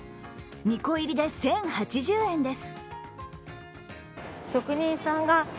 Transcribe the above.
２個入りで１０８０円です。